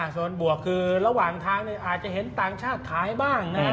ส่วนบวกคือระหว่างทางอาจจะเห็นต่างชาติขายบ้าง